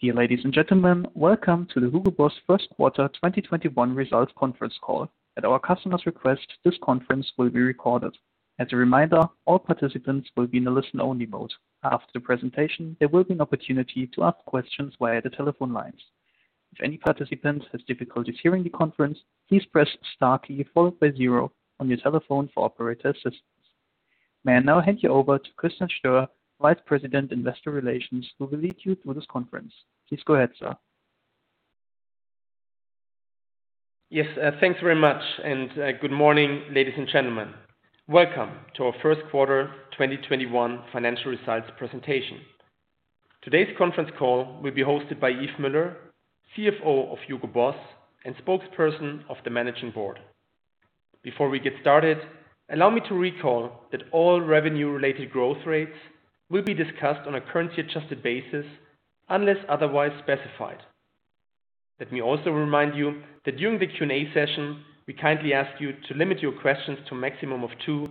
Dear ladies and gentlemen, welcome to the Hugo Boss first quarter 2021 results conference call. At our customers' request, this conference will be recorded. As a reminder, all participants will be in a listen-only mode. After the presentation, there will be an opportunity to ask questions via the telephone lines. If any participant has difficulties hearing the conference, please press star key followed by zero on your telephone for operator assistance. May I now hand you over to Christian Stoehr, Vice President, Investor Relations, who will lead you through this conference. Please go ahead, sir. Yes. Thanks very much, good morning, ladies and gentlemen. Welcome to our first quarter 2021 financial results presentation. Today's conference call will be hosted by Yves Müller, CFO of Hugo Boss and spokesperson of the managing board. Before we get started, allow me to recall that all revenue-related growth rates will be discussed on a currency-adjusted basis unless otherwise specified. Let me also remind you that during the Q&A session, we kindly ask you to limit your questions to a maximum of two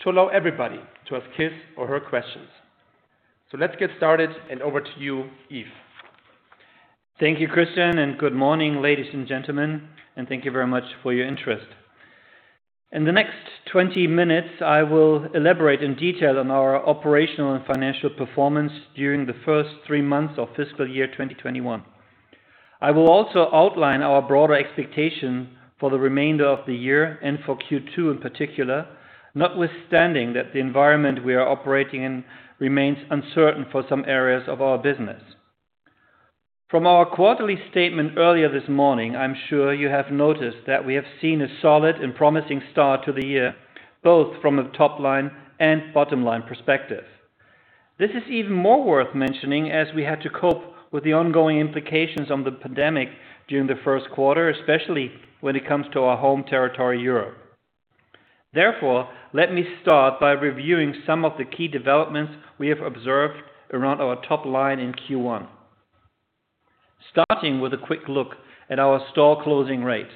to allow everybody to ask his or her questions. Let's get started and over to you, Yves. Thank you, Christian, and good morning, ladies and gentlemen, and thank you very much for your interest. In the next 20 minutes, I will elaborate in detail on our operational and financial performance during the first three months of fiscal year 2021. I will also outline our broader expectation for the remainder of the year and for Q2 in particular, notwithstanding that the environment we are operating in remains uncertain for some areas of our business. From our quarterly statement earlier this morning, I'm sure you have noticed that we have seen a solid and promising start to the year, both from a top-line and bottom-line perspective. This is even more worth mentioning as we had to cope with the ongoing implications of the pandemic during the first quarter, especially when it comes to our home territory, Europe. Therefore, let me start by reviewing some of the key developments we have observed around our top line in Q1. Starting with a quick look at our store closing rate.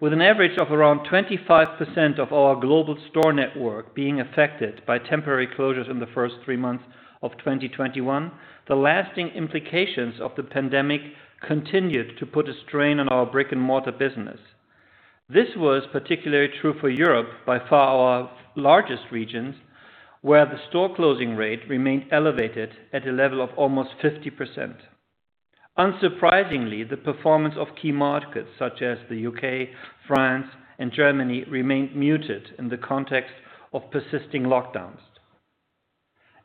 With an average of around 25% of our global store network being affected by temporary closures in the first three months of 2021, the lasting implications of the pandemic continued to put a strain on our brick-and-mortar business. This was particularly true for Europe, by far our largest region, where the store closing rate remained elevated at a level of almost 50%. Unsurprisingly, the performance of key markets such as the U.K., France, and Germany remained muted in the context of persisting lockdowns.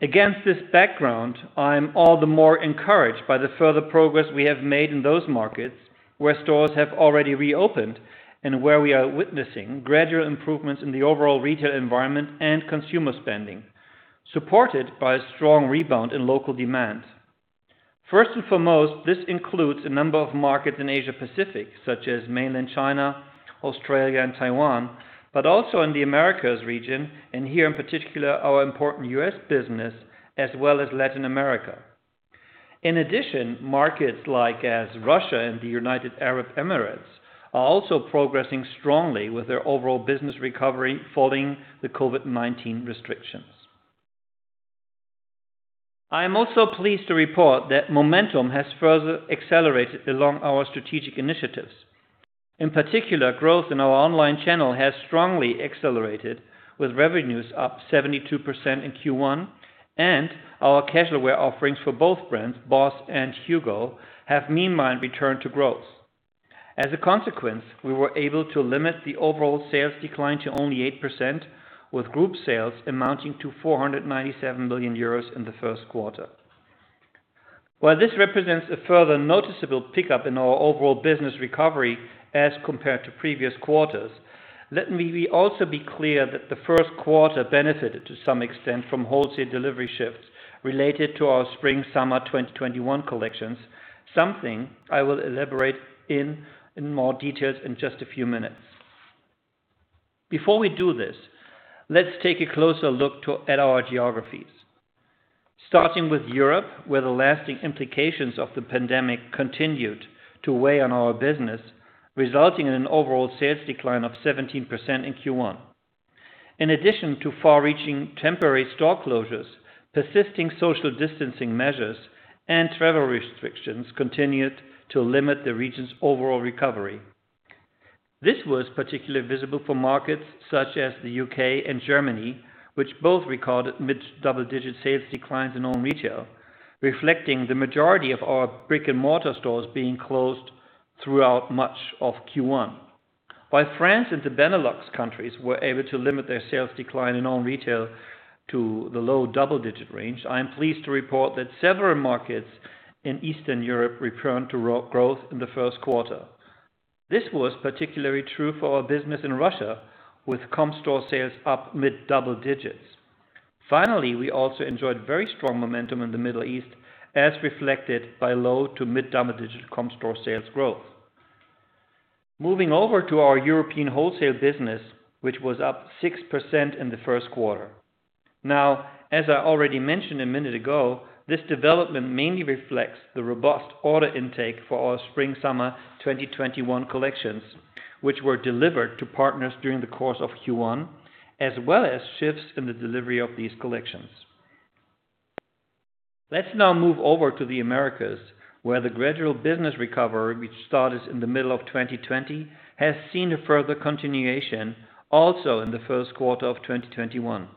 Against this background, I am all the more encouraged by the further progress we have made in those markets where stores have already reopened and where we are witnessing gradual improvements in the overall retail environment and consumer spending, supported by a strong rebound in local demand. First and foremost, this includes a number of markets in Asia-Pacific, such as mainland China, Australia, and Taiwan, but also in the Americas region, and here in particular, our important US business as well as Latin America. In addition, markets like Russia and the United Arab Emirates are also progressing strongly with their overall business recovery following the COVID-19 restrictions. I am also pleased to report that momentum has further accelerated along our strategic initiatives. In particular, growth in our online channel has strongly accelerated, with revenues up 72% in Q1 and our casual wear offerings for both brands, BOSS and HUGO, have meanwhile returned to growth. As a consequence, we were able to limit the overall sales decline to only eight percent, with group sales amounting to 497 million euros in the first quarter. While this represents a further noticeable pickup in our overall business recovery as compared to previous quarters, let me also be clear that the first quarter benefited to some extent from wholesale delivery shifts related to our spring/summer 2021 collections, something I will elaborate in more details in just a few minutes. Before we do this, let's take a closer look at our geographies. Starting with Europe, where the lasting implications of the pandemic continued to weigh on our business, resulting in an overall sales decline of 17% in Q1. In addition to far-reaching temporary store closures, persisting social distancing measures and travel restrictions continued to limit the region's overall recovery. This was particularly visible for markets such as the U.K. and Germany, which both recorded mid-double-digit sales declines in own retail, reflecting the majority of our brick-and-mortar stores being closed throughout much of Q1. While France and the Benelux countries were able to limit their sales decline in own retail to the low double-digit range, I am pleased to report that several markets in Eastern Europe returned to growth in the first quarter. This was particularly true for our business in Russia, with comp store sales up mid double digits. We also enjoyed very strong momentum in the Middle East, as reflected by low to mid double-digit comp store sales growth. Moving over to our European wholesale business, which was up 6% in the first quarter. Now, as I already mentioned a minute ago, this development mainly reflects the robust order intake for our spring/summer 2021 collections, which were delivered to partners during the course of Q1, as well as shifts in the delivery of these collections. Let's now move over to the Americas, where the gradual business recovery, which started in the middle of 2020, has seen a further continuation also in the first quarter of 2021.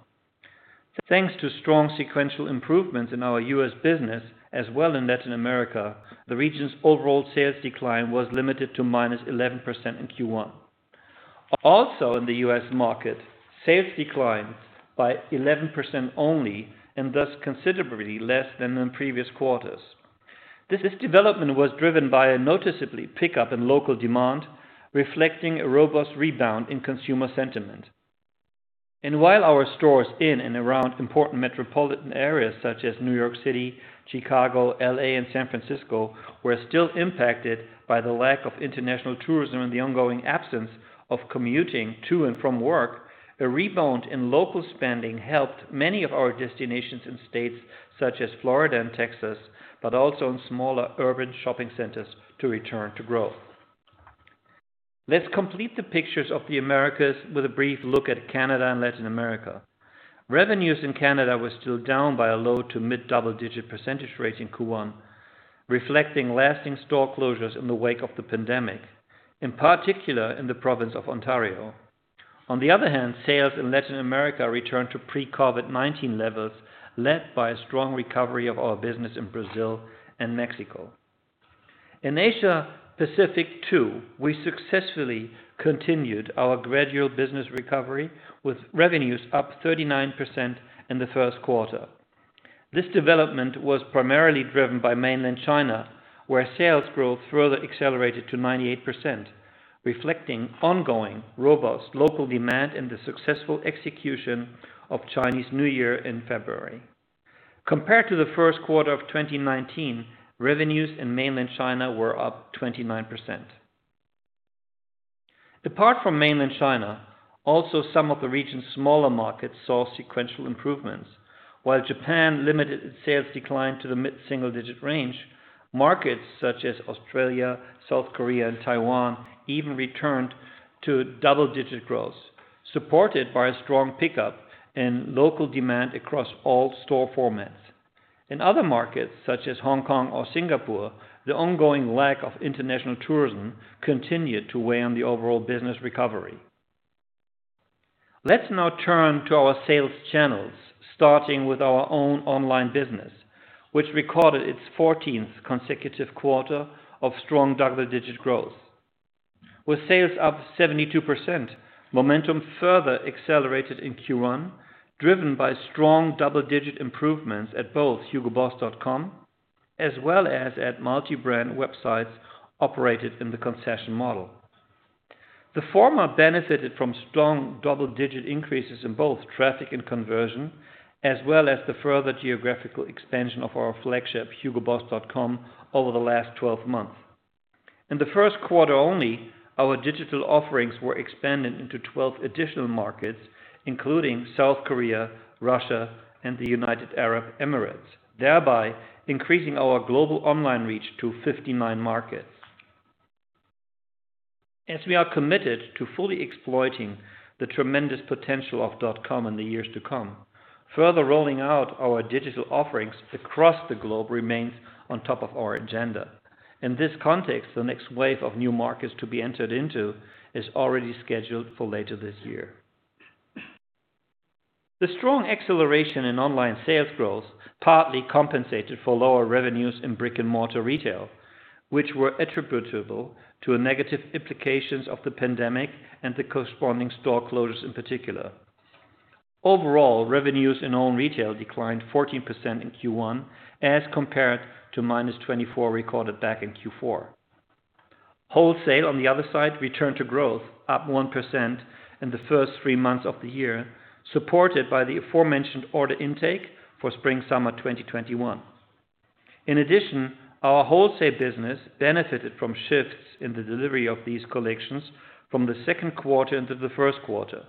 Thanks to strong sequential improvements in our U.S. business as well in Latin America, the region's overall sales decline was limited to minus 11% in Q1. In the U.S. market, sales declined by 11% only and thus considerably less than in previous quarters. This development was driven by a noticeable pickup in local demand, reflecting a robust rebound in consumer sentiment. While our stores in and around important metropolitan areas such as New York City, Chicago, L.A., and San Francisco were still impacted by the lack of international tourism and the ongoing absence of commuting to and from work, a rebound in local spending helped many of our destinations in states such as Florida and Texas, but also in smaller urban shopping centers to return to growth. Let's complete the pictures of the Americas with a brief look at Canada and Latin America. Revenues in Canada were still down by a low to mid-double-digit percentage rate in Q1, reflecting lasting store closures in the wake of the pandemic, in particular in the province of Ontario. On the other hand, sales in Latin America returned to pre-COVID-19 levels, led by a strong recovery of our business in Brazil and Mexico. In APAC, too, we successfully continued our gradual business recovery with revenues up 39% in the first quarter. This development was primarily driven by mainland China, where sales growth further accelerated to 98%, reflecting ongoing robust local demand and the successful execution of Chinese New Year in February. Compared to the first quarter of 2019, revenues in mainland China were up 29%. Apart from mainland China, also some of the region's smaller markets saw sequential improvements. While Japan limited its sales decline to the mid-single-digit range, markets such as Australia, South Korea, and Taiwan even returned to double-digit growth, supported by a strong pickup in local demand across all store formats. In other markets, such as Hong Kong or Singapore, the ongoing lack of international tourism continued to weigh on the overall business recovery. Let's now turn to our sales channels, starting with our own online business, which recorded its 14th consecutive quarter of strong double-digit growth. With sales up 72%, momentum further accelerated in Q1, driven by strong double-digit improvements at both hugoboss.com as well as at multi-brand websites operated in the concession model. The former benefited from strong double-digit increases in both traffic and conversion, as well as the further geographical expansion of our flagship hugoboss.com over the last 12 months. In the first quarter only, our digital offerings were expanded into 12 additional markets, including South Korea, Russia, and the United Arab Emirates, thereby increasing our global online reach to 59 markets. As we are committed to fully exploiting the tremendous potential of .com in the years to come, further rolling out our digital offerings across the globe remains on top of our agenda. In this context, the next wave of new markets to be entered into is already scheduled for later this year. The strong acceleration in online sales growth partly compensated for lower revenues in brick-and-mortar retail, which were attributable to the negative implications of the pandemic and the corresponding store closures in particular. Overall, revenues in own retail declined 14% in Q1 as compared to minus 24% recorded back in Q4. Wholesale, on the other side, returned to growth, up one percent in the first three months of the year, supported by the aforementioned order intake for spring/summer 2021. In addition, our wholesale business benefited from shifts in the delivery of these collections from the second quarter into the first quarter,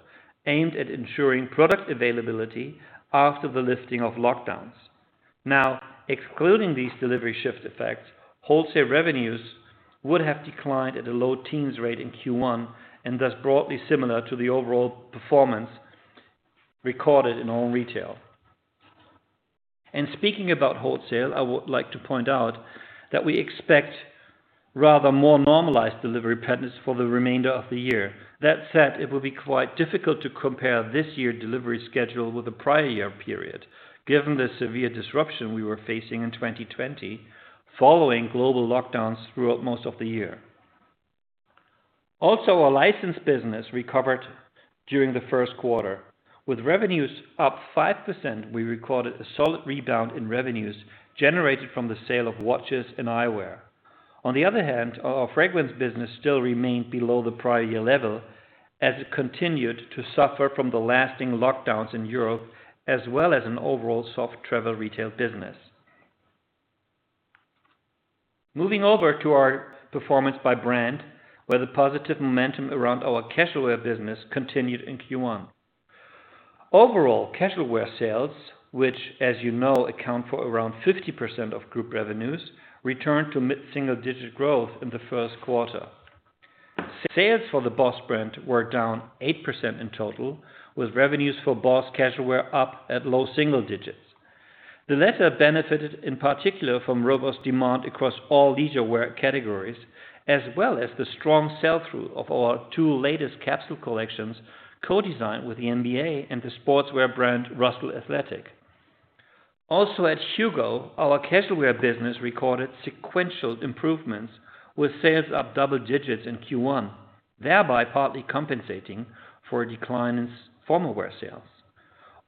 aimed at ensuring product availability after the lifting of lockdowns. Now, excluding these delivery shift effects, wholesale revenues would have declined at a low teens rate in Q1 and thus broadly similar to the overall performance recorded in own retail. Speaking about wholesale, I would like to point out that we expect rather more normalized delivery patterns for the remainder of the year. That said, it will be quite difficult to compare this year's delivery schedule with the prior year period, given the severe disruption we were facing in 2020 following global lockdowns throughout most of the year. Also, our licensed business recovered during the first quarter. With revenues up five percent, we recorded a solid rebound in revenues generated from the sale of watches and eyewear. On the other hand, our fragrance business still remained below the prior year level as it continued to suffer from the lasting lockdowns in Europe as well as an overall soft travel retail business. Moving over to our performance by brand, where the positive momentum around our casual wear business continued in Q1. Overall, casual wear sales, which as you know, account for around 50% of group revenues, returned to mid-single digit growth in the first quarter. Sales for the BOSS brand were down eight percent in total, with revenues for BOSS casual wear up at low single digits. The latter benefited in particular from robust demand across all leisure wear categories, as well as the strong sell-through of our two latest capsule collections, co-designed with the NBA and the sportswear brand Russell Athletic. Also at HUGO, our casual wear business recorded sequential improvements with sales up double digits in Q1, thereby partly compensating for a decline in formal wear sales.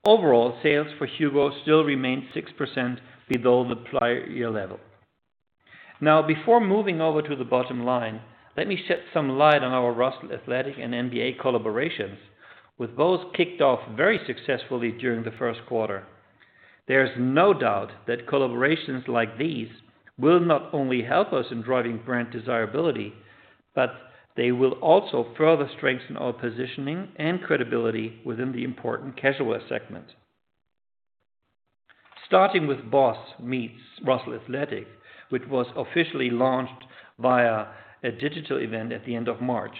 Overall, sales for HUGO still remained six percent below the prior year level. Now before moving over to the bottom line, let me shed some light on our Russell Athletic and NBA collaborations, with both kicked off very successfully during the first quarter. There is no doubt that collaborations like these will not only help us in driving brand desirability, but they will also further strengthen our positioning and credibility within the important casual wear segment. Starting with BOSS x Russell Athletic, which was officially launched via a digital event at the end of March.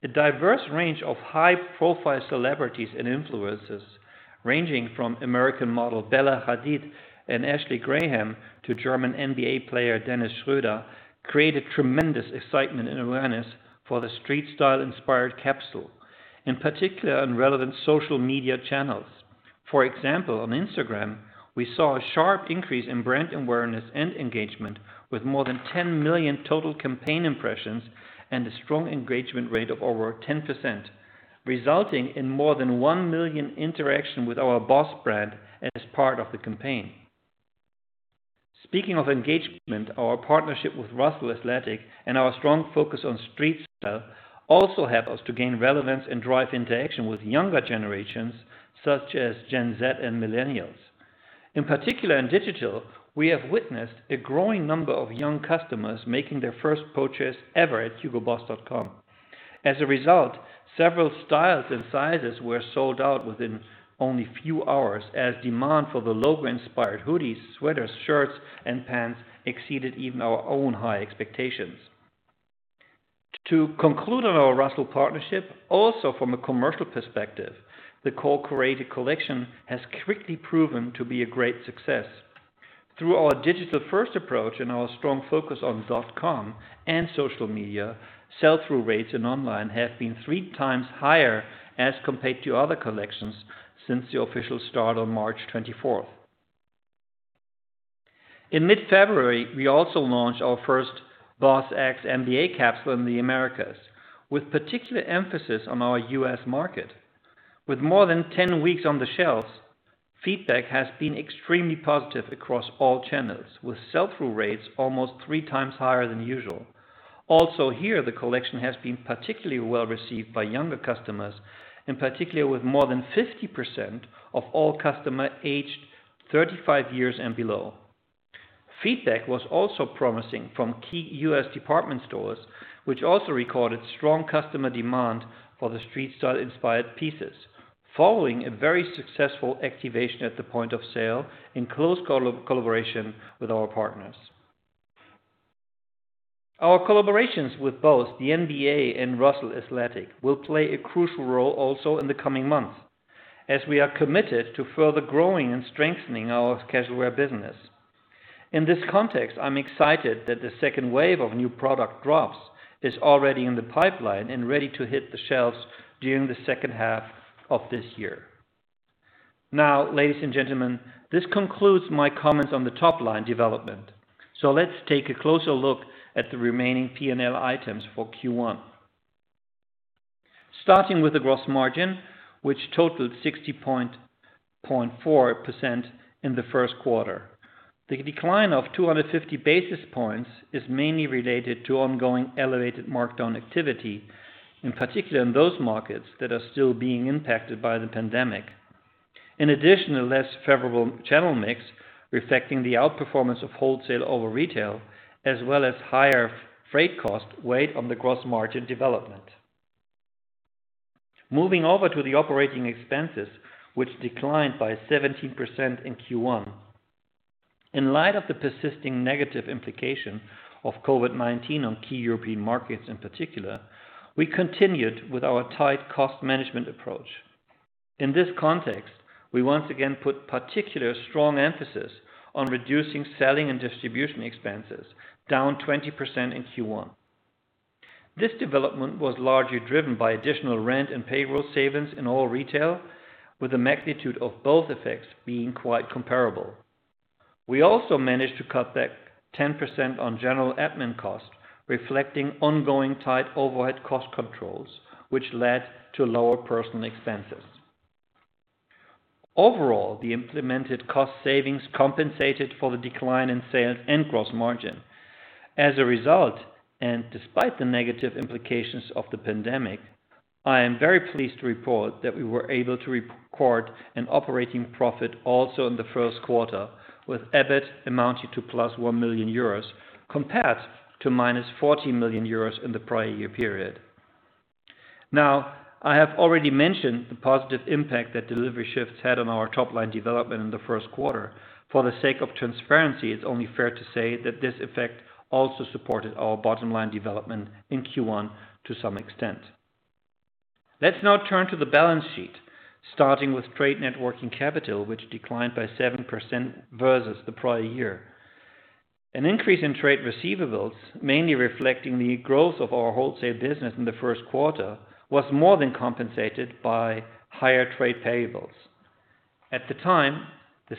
A diverse range of high-profile celebrities and influencers, ranging from American model Bella Hadid and Ashley Graham, to German NBA player Dennis Schröder, created tremendous excitement and awareness for the street style inspired capsule, in particular on relevant social media channels. For example, on Instagram, we saw a sharp increase in brand awareness and engagement with more than 10 million total campaign impressions and a strong engagement rate of over 10%, resulting in more than one million interaction with our BOSS brand as part of the campaign. Speaking of engagement, our partnership with Russell Athletic and our strong focus on street style also help us to gain relevance and drive interaction with younger generations such as Gen Z and millennials. In particular, in digital, we have witnessed a growing number of young customers making their first purchase ever at hugoboss.com. As a result, several styles and sizes were sold out within only a few hours as demand for the logo-inspired hoodies, sweaters, shirts, and pants exceeded even our own high expectations. To conclude on our Russell partnership, also from a commercial perspective, the co-created collection has quickly proven to be a great success. Through our digital-first approach and our strong focus on .com and social media, sell-through rates in online have been three times higher as compared to other collections since the official start on March 24th. In mid-February, we also launched our first BOSS x NBA capsule in the Americas, with particular emphasis on our U.S. market. With more than 10 weeks on the shelves, feedback has been extremely positive across all channels, with sell-through rates almost three times higher than usual. Also here, the collection has been particularly well-received by younger customers, in particular with more than 50% of all customers aged 35 years and below. Feedback was also promising from key U.S. department stores, which also recorded strong customer demand for the street style inspired pieces. Following a very successful activation at the point of sale in close collaboration with our partners. Our collaborations with both the NBA and Russell Athletic will play a crucial role also in the coming months, as we are committed to further growing and strengthening our casual wear business. In this context, I'm excited that the second wave of new product drops is already in the pipeline and ready to hit the shelves during the second half of this year. Ladies and gentlemen, this concludes my comments on the top-line development. Let's take a closer look at the remaining P&L items for Q1. Starting with the gross margin, which totaled 60.4% in the first quarter. The decline of 250 basis points is mainly related to ongoing elevated markdown activity, in particular in those markets that are still being impacted by the pandemic. In addition, a less favorable channel mix reflecting the outperformance of wholesale over retail, as well as higher freight costs weighed on the gross margin development. Moving over to the operating expenses, which declined by 17% in Q1. In light of the persisting negative implication of COVID-19 on key European markets in particular, we continued with our tight cost management approach. In this context, we once again put particular strong emphasis on reducing selling and distribution expenses, down 20% in Q1. This development was largely driven by additional rent and payroll savings in all retail, with the magnitude of both effects being quite comparable. We also managed to cut back 10% on general admin costs, reflecting ongoing tight overhead cost controls, which led to lower personal expenses. Overall, the implemented cost savings compensated for the decline in sales and gross margin. As a result, and despite the negative implications of the pandemic, I am very pleased to report that we were able to record an operating profit also in the first quarter, with EBIT amounting to plus 1 million euros compared to minus 40 million euros in the prior year period. I have already mentioned the positive impact that delivery shifts had on our top-line development in the first quarter. For the sake of transparency, it is only fair to say that this effect also supported our bottom-line development in Q1 to some extent. Let's now turn to the balance sheet, starting with trade net working capital, which declined by seven percent versus the prior year. An increase in trade receivables, mainly reflecting the growth of our wholesale business in the first quarter, was more than compensated by higher trade payables. At the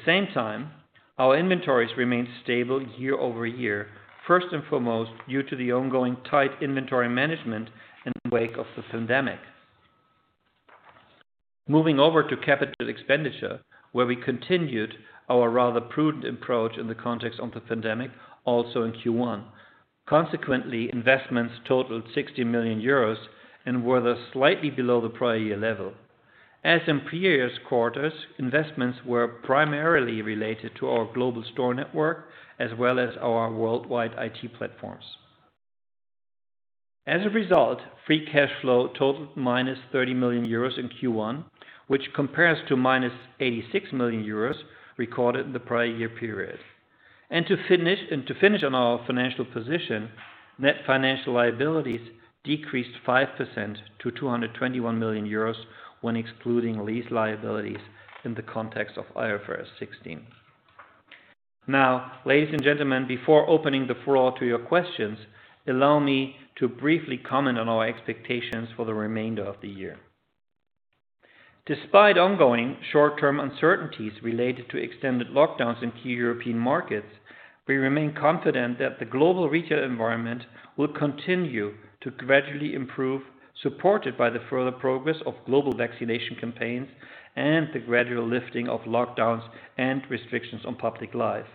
same time, our inventories remained stable year-over-year, first and foremost, due to the ongoing tight inventory management in the wake of the pandemic. Moving over to capital expenditure, where we continued our rather prudent approach in the context of the pandemic, also in Q1. Investments totaled 60 million euros and were thus slightly below the prior-year level. As in previous quarters, investments were primarily related to our global store network as well as our worldwide IT platforms. Free cash flow totaled minus 30 million euros in Q1, which compares to minus 86 million euros recorded in the prior-year period. To finish on our financial position, net financial liabilities decreased five percent to 221 million euros when excluding lease liabilities in the context of IFRS 16. Now, ladies and gentlemen, before opening the floor to your questions, allow me to briefly comment on our expectations for the remainder of the year. Despite ongoing short-term uncertainties related to extended lockdowns in key European markets, we remain confident that the global retail environment will continue to gradually improve, supported by the further progress of global vaccination campaigns and the gradual lifting of lockdowns and restrictions on public life.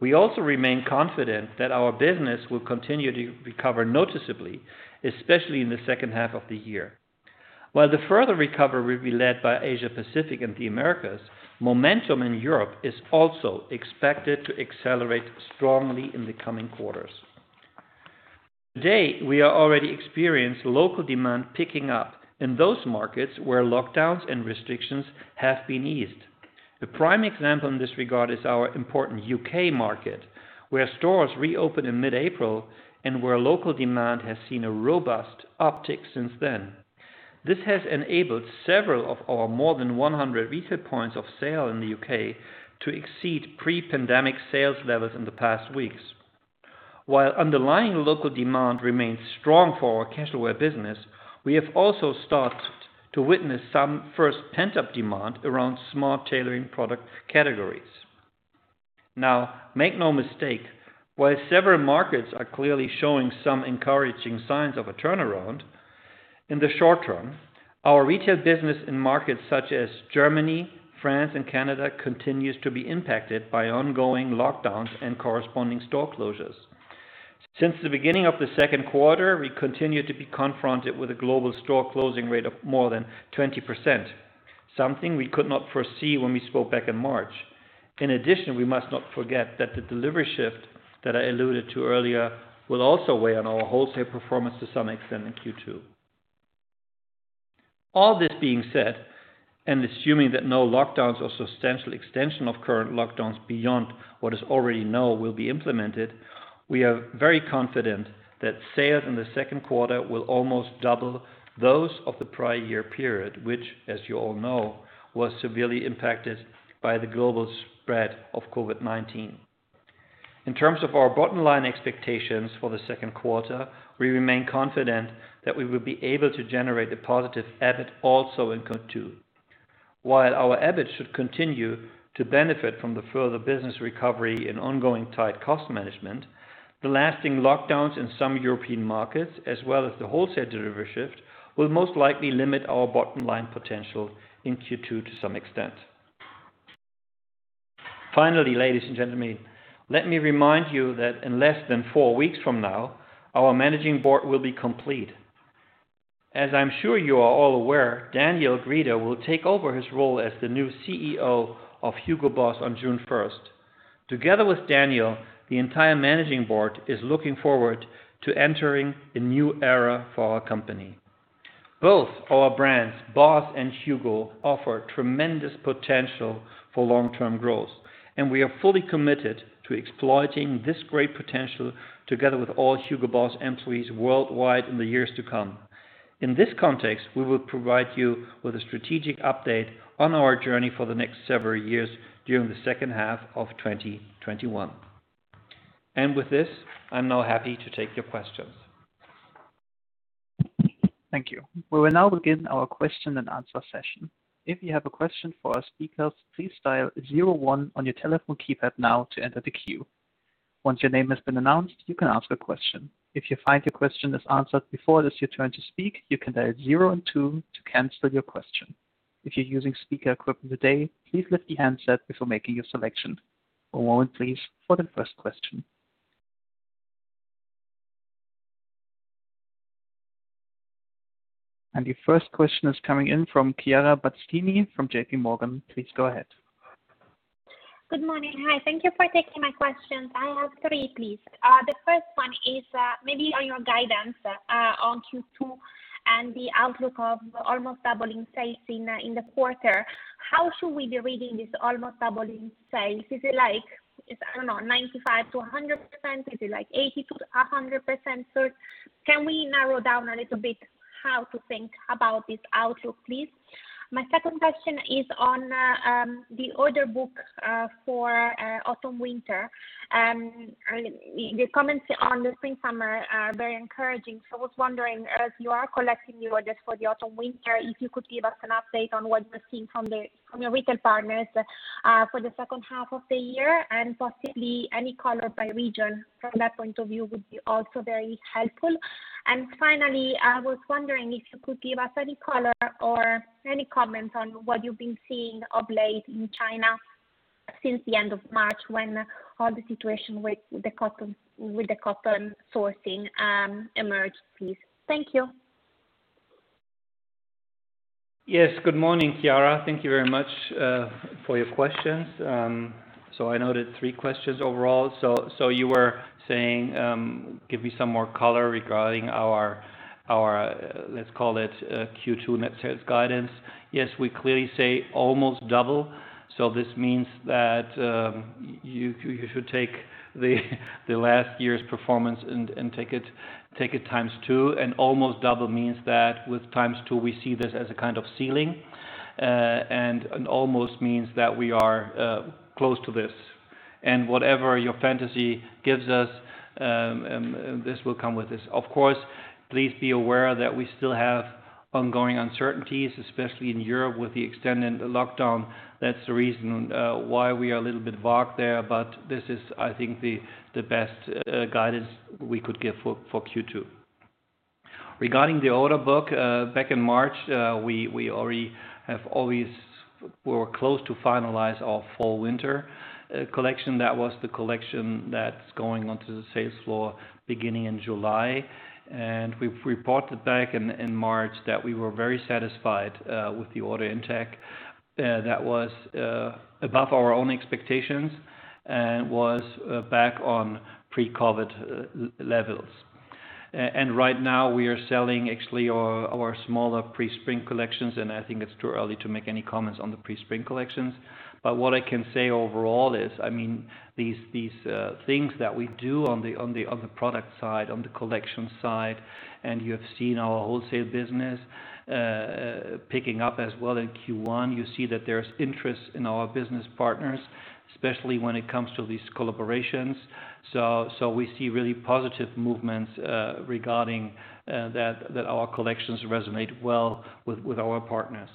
We also remain confident that our business will continue to recover noticeably, especially in the second half of the year. While the further recovery will be led by Asia-Pacific and the Americas, momentum in Europe is also expected to accelerate strongly in the coming quarters. Today, we are already experienced local demand picking up in those markets where lockdowns and restrictions have been eased. The prime example in this regard is our important U.K. market, where stores reopened in mid-April and where local demand has seen a robust uptick since then. This has enabled several of our more than 100 retail points of sale in the U.K. to exceed pre-pandemic sales levels in the past weeks. While underlying local demand remains strong for our casual wear business, we have also started to witness some first pent-up demand around smart tailoring product categories. Now, make no mistake, while several markets are clearly showing some encouraging signs of a turnaround, in the short term, our retail business in markets such as Germany, France, and Canada continues to be impacted by ongoing lockdowns and corresponding store closures. Since the beginning of the second quarter, we continue to be confronted with a global store closing rate of more than 20%, something we could not foresee when we spoke back in March. In addition, we must not forget that the delivery shift that I alluded to earlier will also weigh on our wholesale performance to some extent in Q2. All this being said, and assuming that no lockdowns or substantial extension of current lockdowns beyond what is already known will be implemented, we are very confident that sales in the second quarter will almost double those of the prior year period, which, as you all know, was severely impacted by the global spread of COVID-19. In terms of our bottom-line expectations for the second quarter, we remain confident that we will be able to generate a positive EBIT also in Q2. While our EBIT should continue to benefit from the further business recovery and ongoing tight cost management, the lasting lockdowns in some European markets, as well as the wholesale delivery shift, will most likely limit our bottom-line potential in Q2 to some extent. Finally, ladies and gentlemen, let me remind you that in less than four weeks from now, our managing board will be complete. As I'm sure you are all aware, Daniel Grieder will take over his role as the new CEO of Hugo Boss on June first. Together with Daniel, the entire managing board is looking forward to entering a new era for our company. Both our brands, BOSS and HUGO, offer tremendous potential for long-term growth, and we are fully committed to exploiting this great potential together with all Hugo Boss employees worldwide in the years to come. In this context, we will provide you with a strategic update on our journey for the next several years during the second half of 2021. With this, I'm now happy to take your questions. Thank you. Your first question is coming in from Chiara Battistini from JPMorgan. Please go ahead. Good morning. Hi. Thank you for taking my questions. I have three, please. The first one is maybe on your guidance on Q2 and the outlook of almost doubling sales in the quarter. How should we be reading this almost doubling sales? Is it like, I don't know, 95% to 100%? Is it like 80% to 100%? Can we narrow down a little bit how to think about this outlook, please? My second question is on the order book for autumn/winter. The comments on the spring/summer are very encouraging. I was wondering, as you are collecting the orders for the autumn/winter, if you could give us an update on what you're seeing from your retail partners for the second half of the year. Possibly any color by region from that point of view would be also very helpful. Finally, I was wondering if you could give us any color or any comments on what you've been seeing of late in China since the end of March when all the situation with the cotton sourcing emerged, please. Thank you. Yes, good morning, Chiara. Thank you very much for your questions. I noted three questions overall. You were saying, give me some more color regarding our, let's call it Q2 net sales guidance. Yes, we clearly say almost double. This means that you should take the last year's performance and take it times two, and almost double means that with times two, we see this as a kind of ceiling. An almost means that we are close to this. Whatever your fantasy gives us, this will come with this. Of course, please be aware that we still have ongoing uncertainties, especially in Europe with the extended lockdown. That's the reason why we are a little bit vague there. This is, I think, the best guidance we could give for Q2. Regarding the order book, back in March, we were close to finalizing our fall/winter collection. That was the collection that's going onto the sales floor beginning in July. We've reported back in March that we were very satisfied with the order intake. That was above our own expectations and was back on pre-COVID levels. Right now we are selling actually our smaller pre-spring collections, and I think it's too early to make any comments on the pre-spring collections. What I can say overall is, these things that we do on the product side, on the collection side, and you have seen our wholesale business picking up as well in Q1. You see that there's interest in our business partners, especially when it comes to these collaborations. We see really positive movements regarding that our collections resonate well with our partners.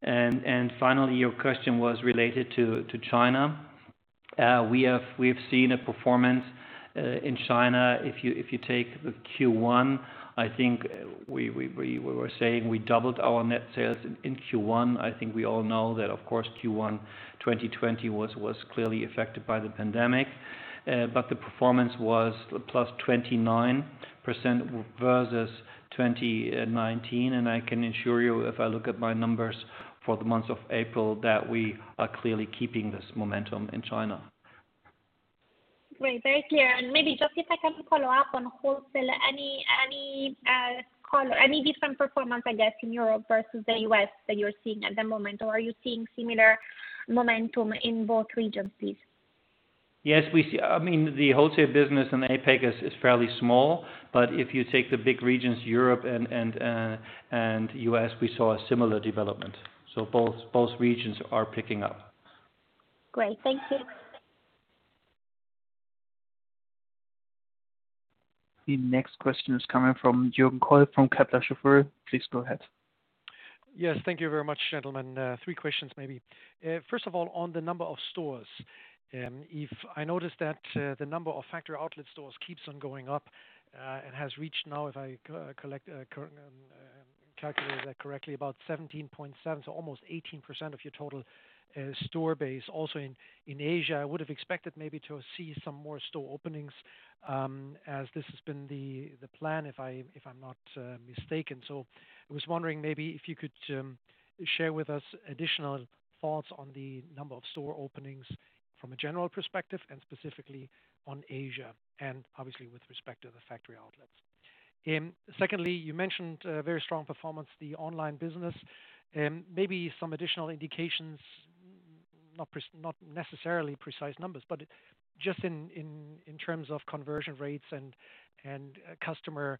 Finally, your question was related to China. We have seen a performance in China. If you take the Q1, I think we were saying we doubled our net sales in Q1. I think we all know that, of course, Q1 2020 was clearly affected by the pandemic. The performance was plus 29% versus 2019. I can assure you, if I look at my numbers for the month of April, that we are clearly keeping this momentum in China. Great. Very clear. Maybe just if I can follow up on wholesale. Any different performance, I guess, in Europe versus the U.S. that you're seeing at the moment? Are you seeing similar momentum in both regions, please? Yes. The wholesale business in APAC is fairly small. If you take the big regions, Europe and U.S., we saw a similar development. Both regions are picking up. Great. Thank you. The next question is coming from Jürgen Kolb from Kepler Cheuvreux. Please go ahead. Yes. Thank you very much, gentlemen. Three questions, maybe. First of all, on the number of stores. Yves, I noticed that the number of factory outlet stores keeps on going up, and has reached now, if I calculate that correctly, about 17.7, so almost 18% of your total store base. In Asia, I would have expected maybe to see some more store openings, as this has been the plan, if I'm not mistaken. I was wondering maybe if you could share with us additional thoughts on the number of store openings from a general perspective and specifically on Asia, and obviously with respect to the factory outlets. Secondly, you mentioned very strong performance, the online business. Maybe some additional indications, not necessarily precise numbers, but just in terms of conversion rates and customer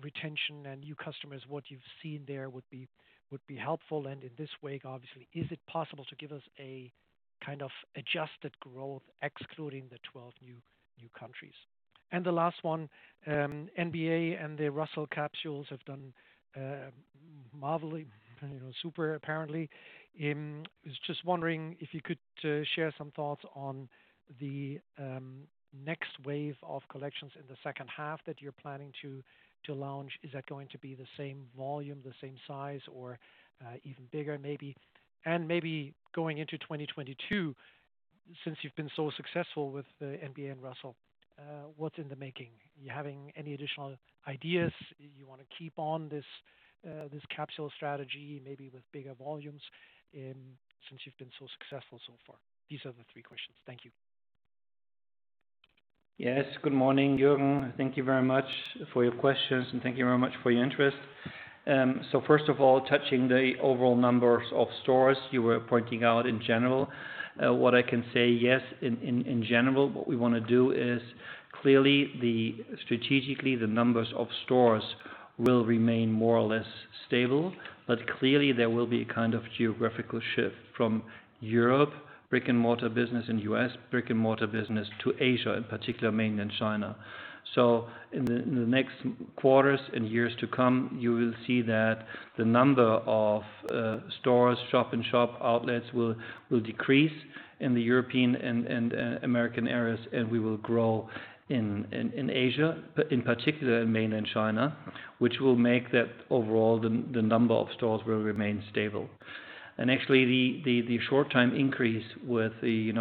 retention and new customers, what you've seen there would be helpful. In this wake, obviously, is it possible to give us a kind of adjusted growth excluding the 12 new countries? The last one, NBA and the Russell capsules have done marvelously, super apparently. I was just wondering if you could share some thoughts on the next wave of collections in the second half that you're planning to launch. Is that going to be the same volume, the same size, or even bigger maybe? Maybe going into 2022, since you've been so successful with NBA and Russell. What's in the making? You having any additional ideas? You want to keep on this capsule strategy, maybe with bigger volumes since you've been so successful so far? These are the three questions. Thank you. Yes. Good morning, Jürgen. Thank you very much for your questions and thank you very much for your interest. First of all, touching the overall numbers of stores you were pointing out in general. What I can say, yes, in general, what we want to do is clearly, strategically, the numbers of stores will remain more or less stable, but clearly there will be a geographical shift from Europe brick-and-mortar business and U.S. brick-and-mortar business to Asia, in particular mainland China. In the next quarters and years to come, you will see that the number of stores, shop-in-shop outlets will decrease in the European and American areas and we will grow in Asia, in particular in mainland China, which will make that overall the number of stores will remain stable. Actually, the short-time increase with the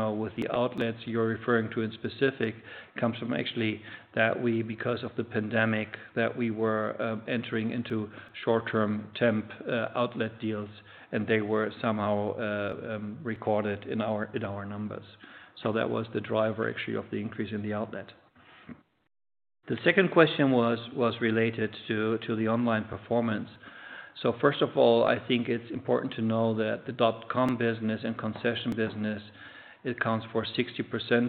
outlets you're referring to in specific comes from actually that we, because of the pandemic, that we were entering into short-term temp outlet deals and they were somehow recorded in our numbers. That was the driver actually of the increase in the outlet. The second question was related to the online performance. First of all, I think it's important to know that the .com business and concession business, it accounts for 60%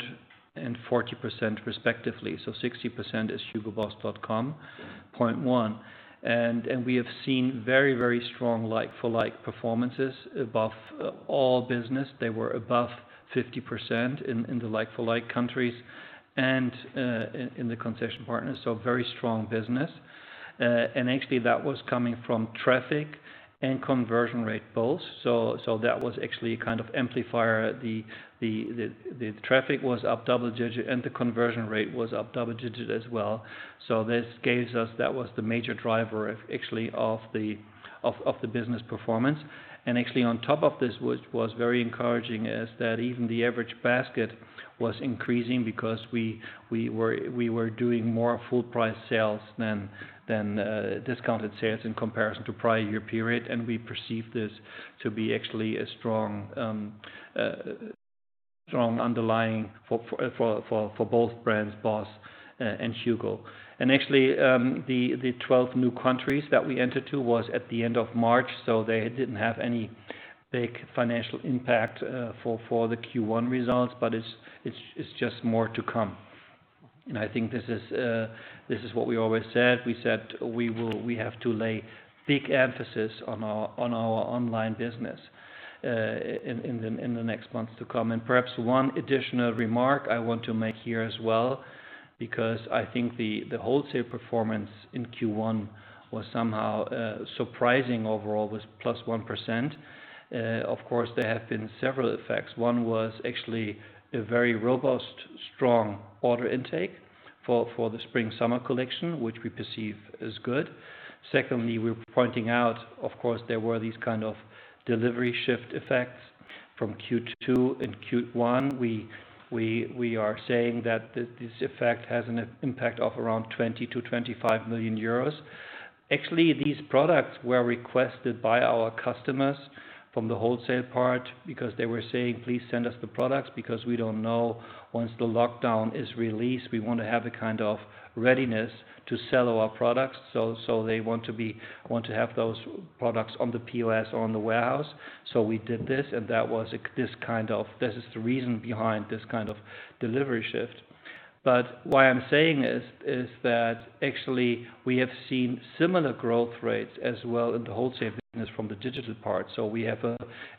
and 40% respectively. 60% is hugoboss.com, point one. We have seen very strong like-for-like performances above all business. They were above 50% in the like-for-like countries and in the concession partners. Very strong business. Actually, that was coming from traffic and conversion rate both. That was actually a kind of amplifier. The traffic was up double digit and the conversion rate was up double digit as well. This gave us, that was the major driver actually of the business performance. Actually on top of this, which was very encouraging, is that even the average basket was increasing because we were doing more full price sales than discounted sales in comparison to prior year period and we perceive this to be actually a strong underlying for both brands, BOSS and HUGO. Actually, the 12 new countries that we entered to was at the end of March, so they didn't have any big financial impact for the Q1 results. It's just more to come. I think this is what we always said. We said we have to lay big emphasis on our online business in the next months to come. Perhaps one additional remark I want to make here as well, because I think the wholesale performance in Q1 was somehow surprising overall with plus one percent. Of course, there have been several effects. One was actually a very robust, strong order intake for the spring/summer collection, which we perceive as good. Secondly, we're pointing out, of course, there were these kind of delivery shift effects from Q2 and Q1. We are saying that this effect has an impact of around 20 million EUR-25 million EUR. Actually, these products were requested by our customers from the wholesale part because they were saying, "Please send us the products because we don't know once the lockdown is released. We want to have a kind of readiness to sell our products." They want to have those products on the POS or on the warehouse. We did this and that is the reason behind this kind of delivery shift. What I'm saying is that actually we have seen similar growth rates as well in the wholesale business from the digital part.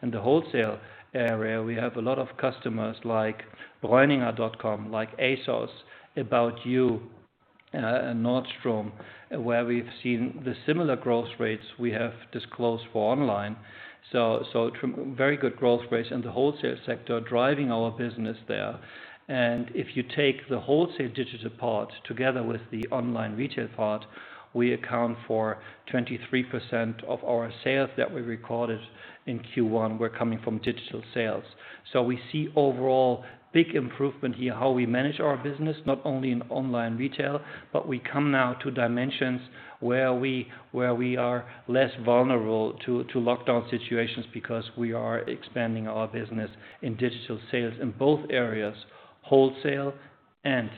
In the wholesale area we have a lot of customers like Breuninger, like ASOS, About You, and Nordstrom, where we've seen the similar growth rates we have disclosed for online. Very good growth rates in the wholesale sector driving our business there. If you take the wholesale digital part together with the online retail part, we account for 23% of our sales that we recorded in Q1 were coming from digital sales. We see overall big improvement here, how we manage our business, not only in online retail, but we come now to dimensions where we are less vulnerable to lockdown situations because we are expanding our business in digital sales in both areas, wholesale and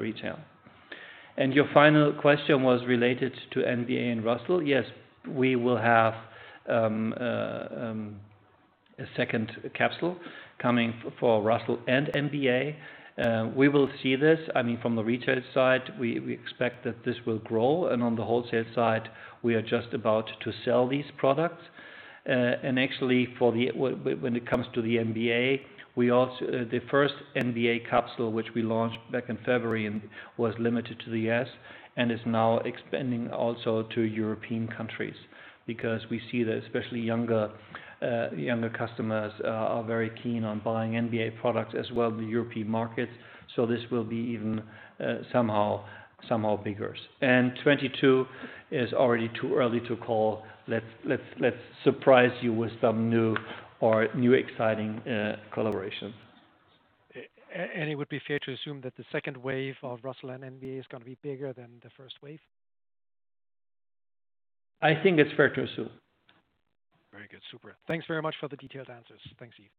retail. Your final question was related to NBA and Russell. Yes, we will have a second capsule coming for Russell and NBA. We will see this. From the retail side, we expect that this will grow. On the wholesale side, we are just about to sell these products. Actually when it comes to the NBA, the first NBA capsule which we launched back in February and was limited to the U.S. and is now expanding also to European countries because we see that especially younger customers are very keen on buying NBA products as well in the European markets. This will be even somehow bigger. 2022 is already too early to call. Let's surprise you with some new or new exciting collaboration. It would be fair to assume that the second wave of Russell and NBA is going to be bigger than the first wave? I think it's fair to assume. Very good. Super. Thanks very much for the detailed answers. Thanks, Yves.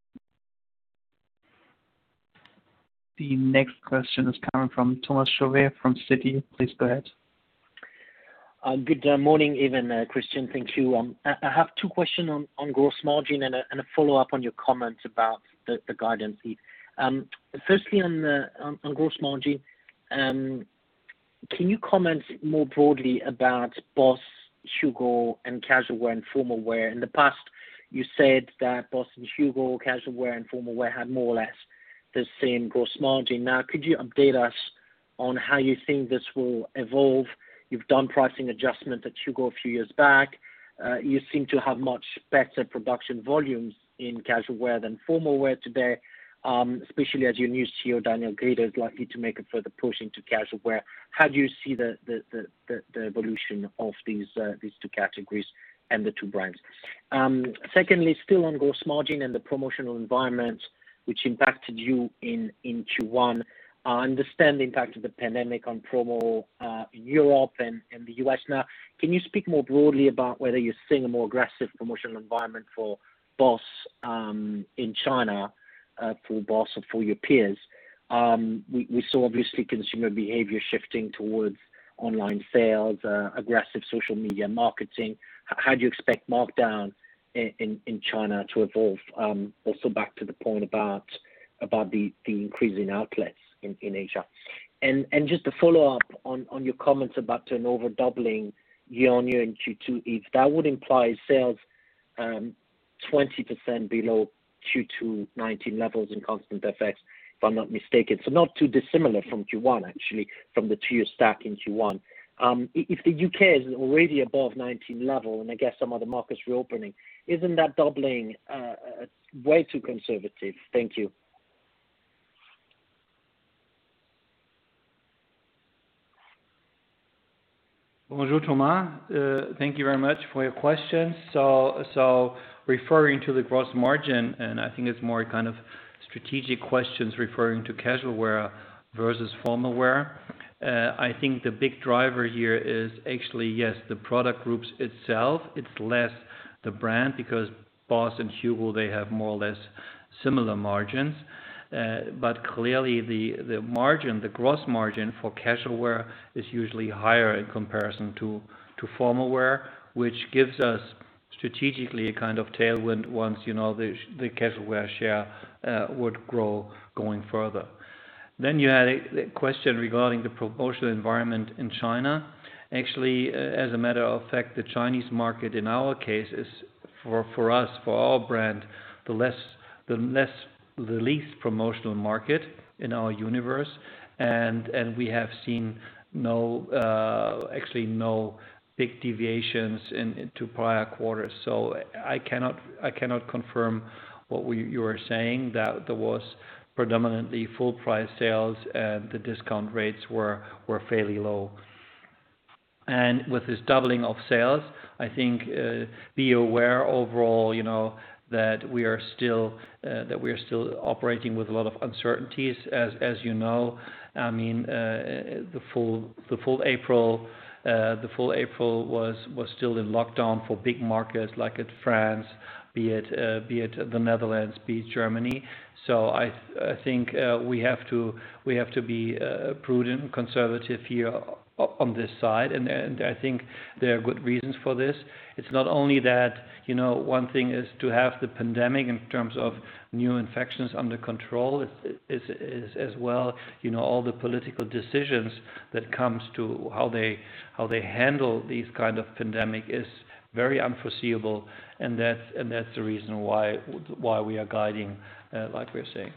The next question is coming from Thomas Chauvet from Citi. Please go ahead. Good morning, Yves and Christian. Thank you. I have two questions on gross margin and a follow-up on your comments about the guidance sheet. Firstly, on gross margin, can you comment more broadly about BOSS, HUGO, and casual wear, and formal wear? In the past you said that BOSS and HUGO, casual wear and formal wear had more or less the same gross margin. Now, could you update us on how you think this will evolve? You've done pricing adjustment at HUGO a few years back. You seem to have much better production volumes in casual wear than formal wear today. Especially as your new CEO, Daniel Grieder, is likely to make a further push into casual wear. How do you see the evolution of these two categories and the two brands? Secondly, still on gross margin and the promotional environment which impacted you in Q1. I understand the impact of the pandemic on promo in Europe and the U.S. Can you speak more broadly about whether you're seeing a more aggressive promotional environment for BOSS in China, for BOSS or for your peers? We saw, obviously, consumer behavior shifting towards online sales, aggressive social media marketing. How do you expect markdown in China to evolve? Back to the point about the increase in outlets in Asia. Just to follow up on your comments about an over doubling year-over-year in Q2, Yves. That would imply sales 20% below Q2 2019 levels in constant FX, if I'm not mistaken. Not too dissimilar from Q1, actually, from the two-year stack in Q1. If the U.K. is already above 2019 level, I guess some other markets reopening, isn't that doubling way too conservative? Thank you. Bonjour, Thomas. Thank you very much for your questions. Referring to the gross margin, I think it's more kind of strategic questions referring to casual wear versus formal wear. I think the big driver here is actually, yes, the product groups itself. It's less the brand because BOSS and HUGO, they have more or less similar margins. Clearly the margin, the gross margin for casual wear is usually higher in comparison to formal wear, which gives us strategically a kind of tailwind once the casual wear share would grow going further. You had a question regarding the promotional environment in China. As a matter of fact, the Chinese market in our case is, for us, for our brand, the least promotional market in our universe. We have seen actually no big deviations into prior quarters. I cannot confirm what you are saying that there was predominantly full price sales and the discount rates were fairly low. With this doubling of sales, I think, be aware overall, that we are still operating with a lot of uncertainties. As you know, the full April was still in lockdown for big markets like France, be it the Netherlands, be it Germany. I think we have to be prudent and conservative here on this side, and I think there are good reasons for this. It's not only that one thing is to have the pandemic in terms of new infections under control. It is as well all the political decisions that comes to how they handle this kind of pandemic is very unforeseeable and that's the reason why we are guiding like we are saying.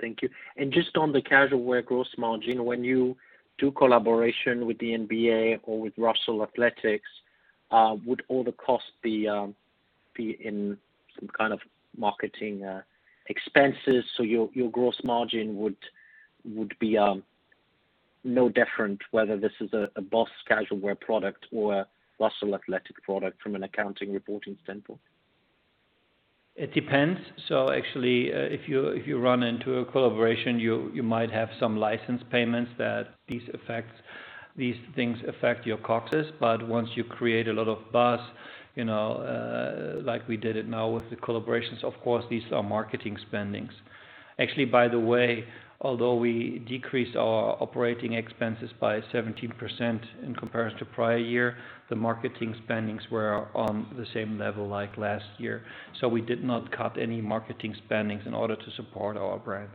Thank you. Just on the casual wear gross margin, when you do collaboration with the NBA or with Russell Athletic, would all the cost be in some kind of marketing expenses so your gross margin would be no different whether this is a BOSS casual wear product or a Russell Athletic product from an accounting reporting standpoint? It depends. Actually, if you run into a collaboration, you might have some license payments that these things affect your COGS. Once you create a lot of buzz, like we did it now with the collaborations, of course, these are marketing spendings. Actually, by the way, although we decreased our operating expenses by 17% in comparison to prior year, the marketing spendings were on the same level like last year. We did not cut any marketing spendings in order to support our brands.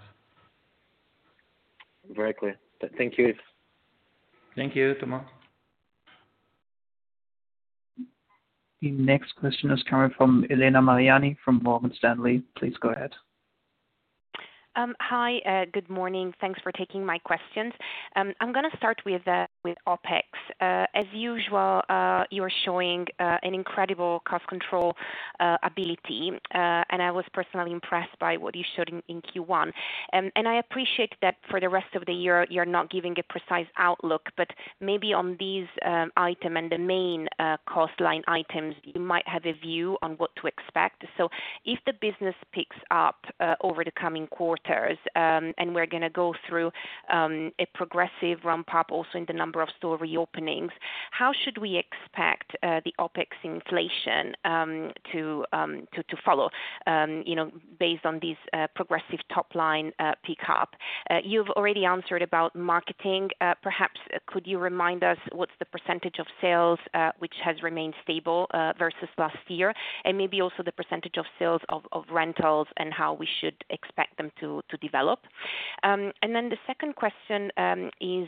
Very clear. Thank you, Yves. Thank you, Thomas. The next question is coming from Elena Mariani from Morgan Stanley. Please go ahead. Hi, good morning. Thanks for taking my questions. I'm going to start with OpEx. As usual, you're showing an incredible cost control ability. I was personally impressed by what you showed in Q1. I appreciate that for the rest of the year, you're not giving a precise outlook, but maybe on these items and the main cost line items, you might have a view on what to expect. If the business picks up over the coming quarters, and we're going to go through a progressive ramp-up also in the number of store reopenings, how should we expect the OpEx inflation to follow based on these progressive top-line pick up? You've already answered about marketing. Perhaps could you remind us what's the percentage of sales which has remained stable versus last year, and maybe also the percentage of sales of rentals and how we should expect them to develop? The second question is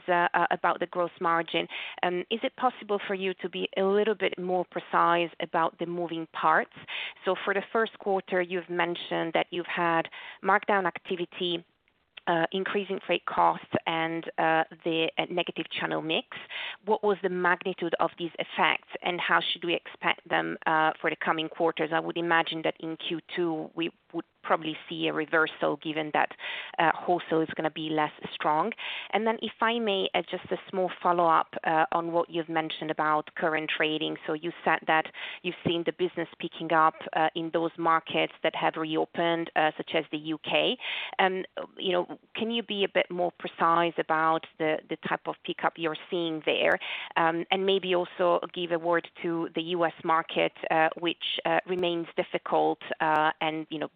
about the gross margin. Is it possible for you to be a little bit more precise about the moving parts? For the first quarter, you've mentioned that you've had markdown activity, increasing freight costs, and the negative channel mix. What was the magnitude of these effects and how should we expect them for the coming quarters? I would imagine that in Q2 we would probably see a reversal given that wholesale is going to be less strong. If I may, just a small follow-up on what you've mentioned about current trading. You said that you've seen the business picking up in those markets that have reopened, such as the U.K. Can you be a bit more precise about the type of pickup you're seeing there? Maybe also give a word to the U.S. market, which remains difficult.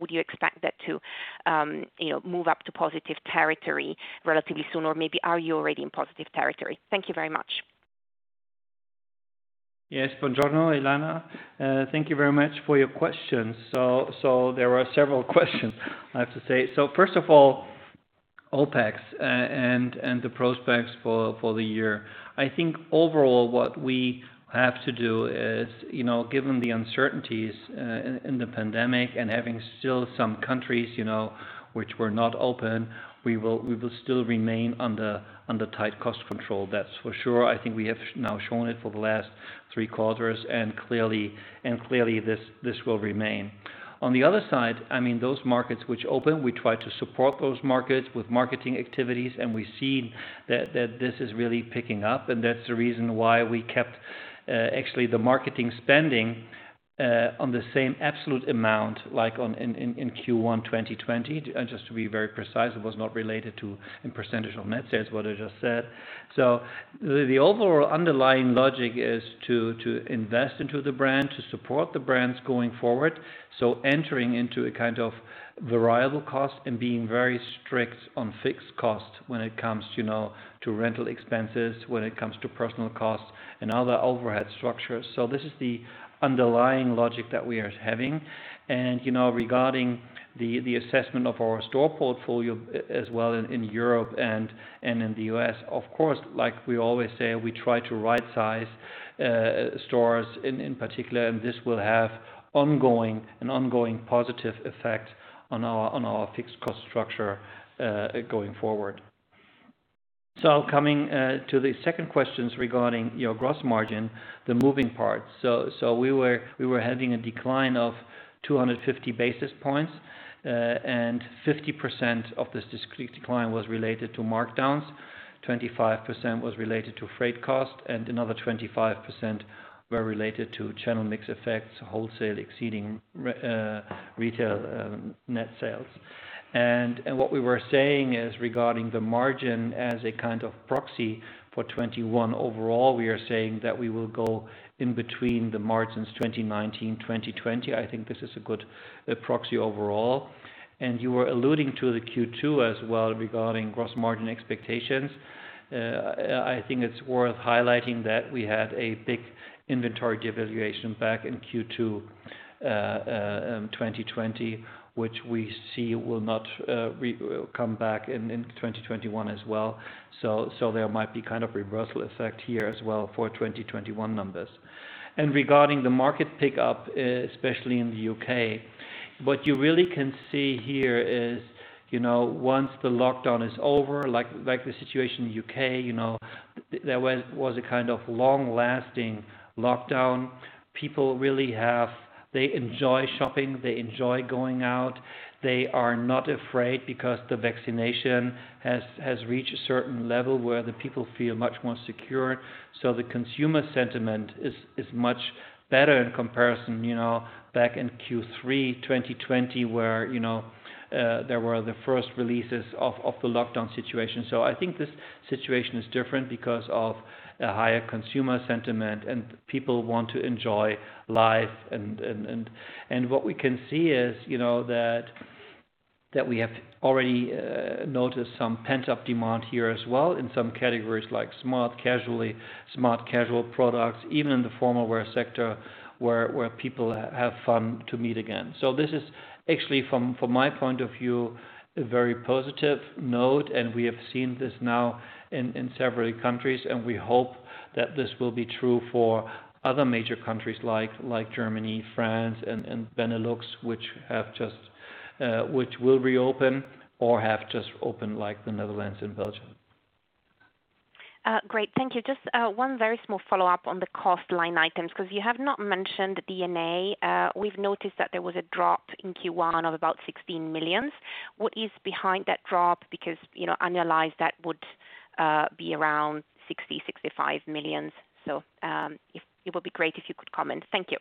Would you expect that to move up to positive territory relatively soon, or maybe are you already in positive territory? Thank you very much. Yes. Buongiorno, Elena Mariani. Thank you very much for your questions. There were several questions I have to say. First of all, OpEx and the prospects for the year. I think overall what we have to do is, given the uncertainties in the pandemic and having still some countries which were not open, we will still remain under tight cost control. That's for sure. I think we have now shown it for the last three quarters, and clearly this will remain. On the other side, those markets which open, we try to support those markets with marketing activities, and we see that this is really picking up, and that's the reason why we kept actually the marketing spending on the same absolute amount, like in Q1 2020. Just to be very precise, it was not related to in percent of net sales, what I just said. The overall underlying logic is to invest into the brand, to support the brands going forward. Entering into a kind of variable cost and being very strict on fixed costs when it comes to rental expenses, when it comes to personal costs and other overhead structures. This is the underlying logic that we are having. Regarding the assessment of our store portfolio as well in Europe and in the U.S., of course like we always say, we try to rightsize stores in particular, and this will have an ongoing positive effect on our fixed cost structure going forward. Coming to the second questions regarding your gross margin, the moving parts. We were having a decline of 250 basis points, 50% of this decline was related to markdowns, 25% was related to freight cost, and another 25% were related to channel mix effects, wholesale exceeding retail net sales. What we were saying is regarding the margin as a kind of proxy for 2021 overall, we are saying that we will go in between the margins 2019, 2020. I think this is a good proxy overall. You were alluding to the Q2 as well regarding gross margin expectations. I think it's worth highlighting that we had a big inventory devaluation back in Q2 2020, which we see will not come back in 2021 as well. There might be kind of reversal effect here as well for 2021 numbers. Regarding the market pickup, especially in the U.K., what you really can see here is once the lockdown is over, like the situation in the U.K., there was a kind of long-lasting lockdown. People really enjoy shopping. They enjoy going out. They are not afraid because the vaccination has reached a certain level where the people feel much more secure. The consumer sentiment is much better in comparison back in Q3 2020, where there were the first releases of the lockdown situation. I think this situation is different because of a higher consumer sentiment and people want to enjoy life. What we can see is that we have already noticed some pent-up demand here as well in some categories like smart casual products, even in the formal wear sector where people have fun to meet again. This is actually from my point of view, a very positive note, and we have seen this now in several countries, and we hope that this will be true for other major countries like Germany, France, and Benelux, which will reopen or have just opened like the Netherlands and Belgium. Great. Thank you. Just one very small follow-up on the cost line items because you have not mentioned D&A. We've noticed that there was a drop in Q1 of about 16 million. What is behind that drop? Annualized, that would be around 60 million, 65 million. It would be great if you could comment. Thank you.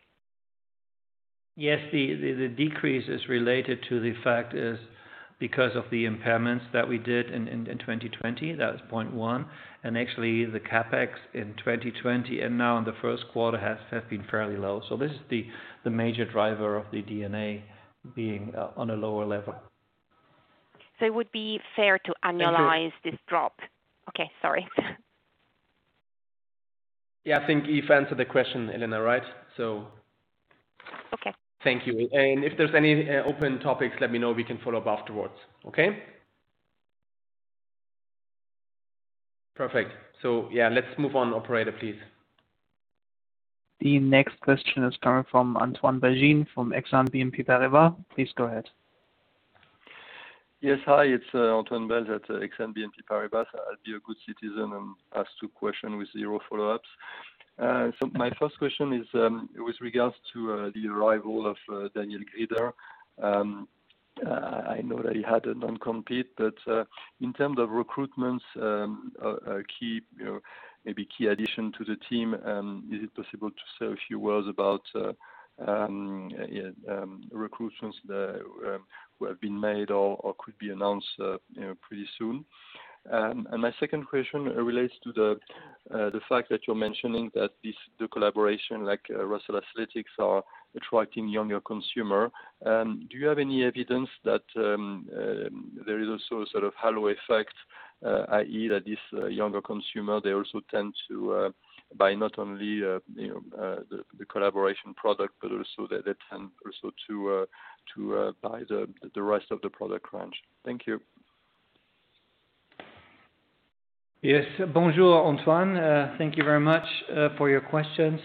Yes, the decrease is related to the fact is because of the impairments that we did in 2020. That was point one. Actually, the CapEx in 2020 and now in the first quarter has been fairly low. This is the major driver of the D&A being on a lower level. It would be fair to. Thank you. this drop. Okay. Sorry. Yeah, I think Yves answered the question, Elena, right? Okay. Thank you. If there's any open topics, let me know. We can follow up afterwards. Okay? Perfect. Yeah, let's move on. Operator, please. The next question is coming from Antoine Belge from Exane BNP Paribas. Please go ahead. Yes. Hi, it's Antoine Belge at Exane BNP Paribas. I'll be a good citizen and ask two question with zero follow-ups. My first question is with regards to the arrival of Daniel Grieder. I know that he had a non-compete, but in terms of recruitments, maybe key addition to the team, is it possible to say a few words about recruitments that will have been made or could be announced pretty soon? My second question relates to the fact that you're mentioning that the collaboration like Russell Athletic are attracting younger consumer. Do you have any evidence that there is also a sort of halo effect, i.e., that this younger consumer, they also tend to buy not only the collaboration product, but also they tend also to buy the rest of the product range. Thank you. Yes. Bonjour, Antoine. Thank you very much for your questions.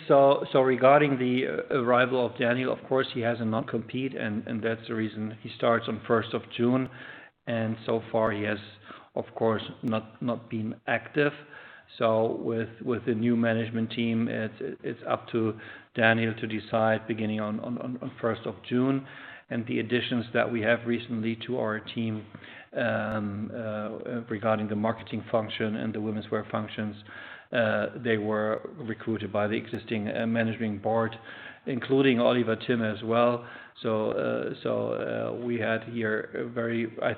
Regarding the arrival of Daniel, of course, he has a non-compete and that's the reason he starts on 1st of June. So far he has, of course, not been active. With the new management team, it's up to Daniel to decide beginning on 1st of June. The additions that we have recently to our team regarding the marketing function and the womenswear functions, they were recruited by the existing managing board, including Oliver Timm as well. I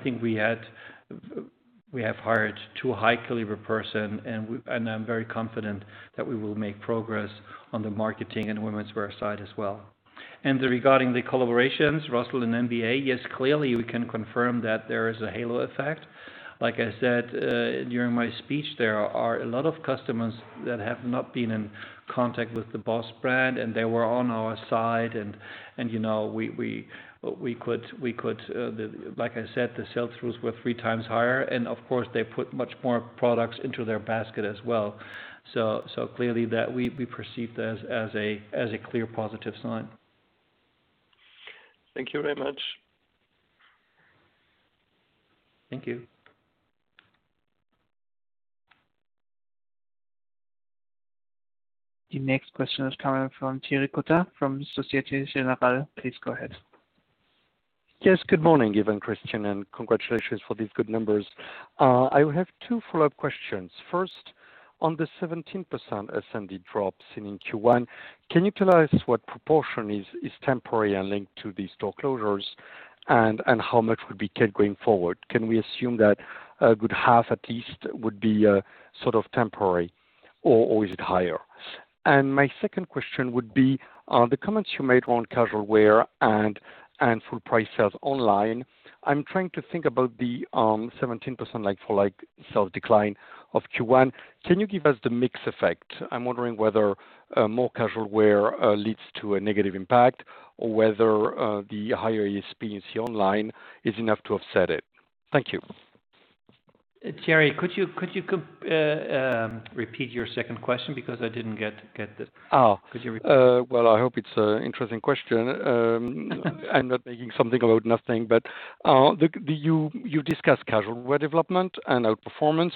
think we have hired two high caliber person, and I'm very confident that we will make progress on the marketing and womenswear side as well. Regarding the collaborations, Russell and NBA, yes, clearly we can confirm that there is a halo effect. Like I said during my speech, there are a lot of customers that have not been in contact with the BOSS brand, and they were on our side, and like I said, the sell-throughs were three times higher, and of course, they put much more products into their basket as well. Clearly we perceived that as a clear positive sign. Thank you very much. Thank you. The next question is coming from Thierry Cota from Société Générale. Please go ahead. Good morning, Yves and Christian, congratulations for these good numbers. I have two follow-up questions. First, on the 17% assembly drops in Q1, can you tell us what proportion is temporary and linked to these store closures and how much would be kept going forward? Can we assume that a good half at least would be sort of temporary or is it higher? My second question would be on the comments you made on casual wear and full price sales online. I'm trying to think about the 17% like-for-like sales decline of Q1. Can you give us the mix effect? I'm wondering whether more casual wear leads to a negative impact or whether the higher ASP in C online is enough to offset it. Thank you. Thierry, could you repeat your second question because I didn't get the. Oh. Could you repeat? Well, I hope it's an interesting question. I am not making something out of nothing, but you discussed casual wear development and outperformance,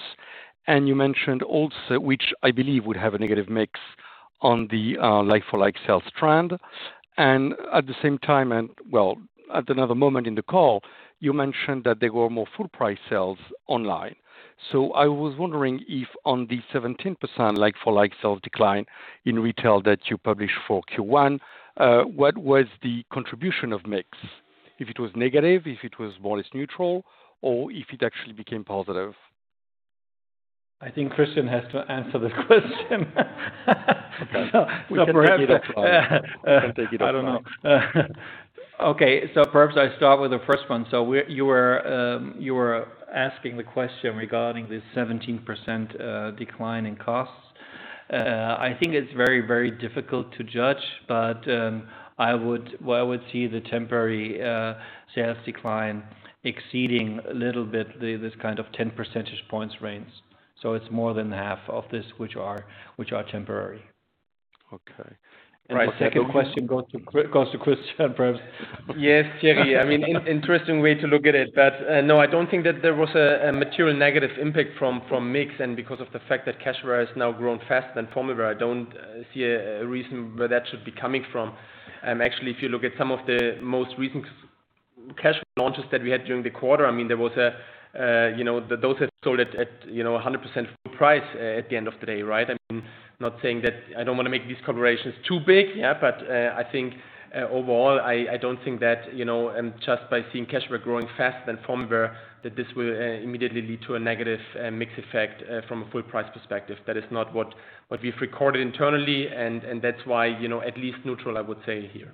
and you mentioned also, which I believe would have a negative mix on the like-for-like sales trend. At the same time and, well, at another moment in the call, you mentioned that there were more full price sales online. I was wondering if on the 17% like-for-like sales decline in retail that you published for Q1, what was the contribution of mix? If it was negative, if it was more or less neutral, or if it actually became positive. I think Christian has to answer this question. Okay. We can pick it up. I don't know. Okay. Perhaps I start with the first one. You were asking the question regarding the 17% decline in costs. I think it's very difficult to judge, but I would see the temporary sales decline exceeding a little bit this kind of 10 percentage points range. It's more than half of this which are temporary. Okay. The second question goes to Christian, perhaps. Yes, Thierry. Interesting way to look at it. No, I don't think that there was a material negative impact from mix and because of the fact that casual wear has now grown faster than formal wear, I don't see a reason where that should be coming from. Actually, if you look at some of the most recent casual launches that we had during the quarter, those had sold at 100% full price at the end of the day, right? I don't want to make these collaborations too big, but I think overall, I don't think that just by seeing casual wear growing faster than formal wear, that this will immediately lead to a negative mix effect from a full price perspective. That is not what we've recorded internally and that's why at least neutral, I would say here.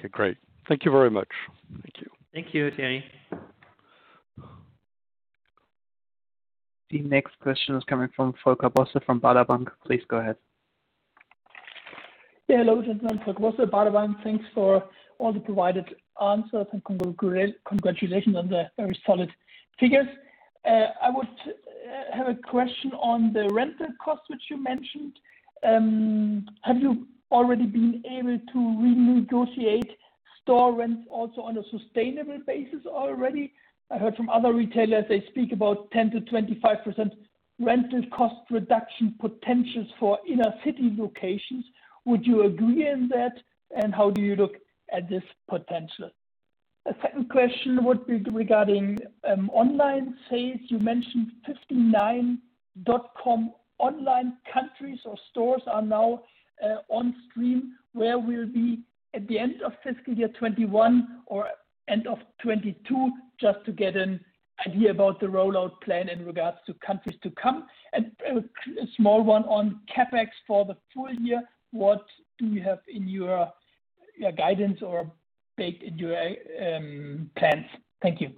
Okay, great. Thank you very much. Thank you. Thank you, Thierry. The next question is coming from Volker Bosse from Baader Bank. Please go ahead. Yeah. Hello, gentlemen. Volker Bosse, Baader Bank. Thanks for all the provided answers, and congratulations on the very solid figures. I would have a question on the rental cost, which you mentioned. Have you already been able to renegotiate store rents also on a sustainable basis already? I heard from other retailers, they speak about 10% to 25% rental cost reduction potentials for inner city locations. Would you agree in that? How do you look at this potential? A second question would be regarding online sales. You mentioned 59 dot-com online countries or stores are now on stream. Where we'll be at the end of FY 2021 or end of 2022, just to get an idea about the rollout plan in regards to countries to come? A small one on CapEx for the full year, what do you have in your guidance or baked into your plans? Thank you.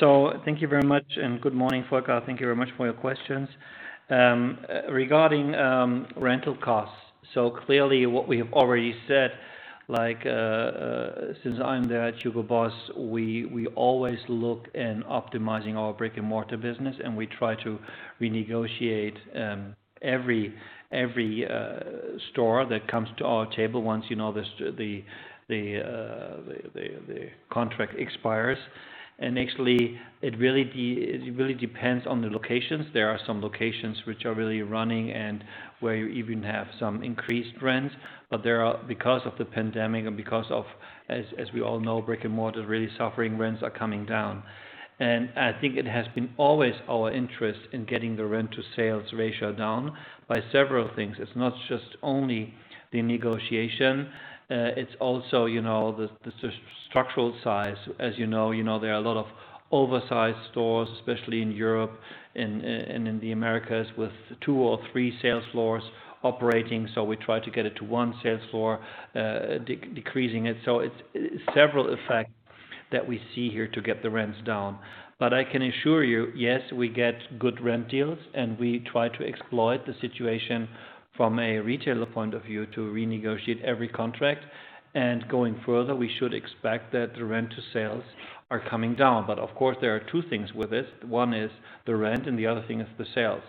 Thank you very much and good morning, Volker. Thank you very much for your questions. Regarding rental costs. Clearly what we have already said, since I'm there at Hugo Boss, we always look in optimizing our brick-and-mortar business, and we try to renegotiate every store that comes to our table once the contract expires. It really depends on the locations. There are some locations which are really running and where you even have some increased rents. Because of the pandemic and because of, as we all know, brick-and-mortar really suffering, rents are coming down. I think it has been always our interest in getting the rent-to-sales ratio down by several things. It's not just only the negotiation, it's also the structural size. As you know, there are a lot of oversized stores, especially in Europe and in the Americas, with two or three sales floors operating. We try to get it to one sales floor, decreasing it. It's several effects that we see here to get the rents down. I can assure you, yes, we get good rent deals, and we try to exploit the situation from a retailer point of view to renegotiate every contract. Going further, we should expect that the rent-to-sales are coming down. Of course, there are two things with it. One is the rent and the other thing is the sales.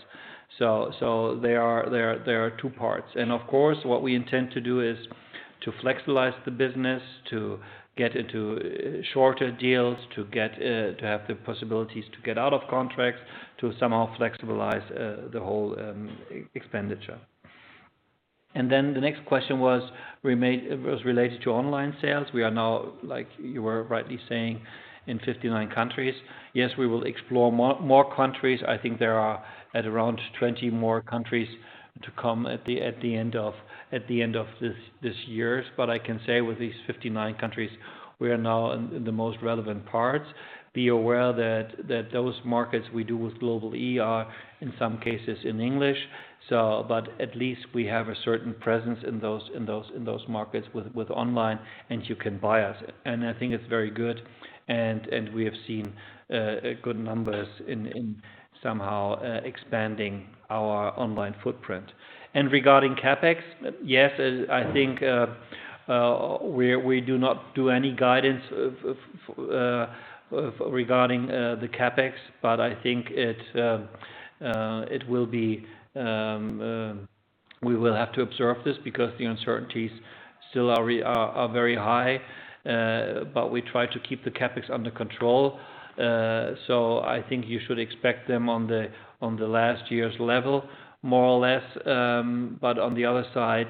There are two parts. Of course, what we intend to do is to flexibilize the business, to get into shorter deals, to have the possibilities to get out of contracts, to somehow flexibilize the whole expenditure. The next question was related to online sales. We are now, like you were rightly saying, in 59 countries. Yes, we will explore more countries. I think there are at around 20 more countries to come at the end of this year. I can say with these 59 countries, we are now in the most relevant parts. Be aware that those markets we do with Global-e are in some cases in English. At least we have a certain presence in those markets with online, and you can buy us. I think it's very good, and we have seen good numbers in somehow expanding our online footprint. Regarding CapEx, yes, I think, we do not do any guidance regarding the CapEx, but I think we will have to observe this because the uncertainties still are very high. We try to keep the CapEx under control. I think you should expect them on the last year's level, more or less. On the other side,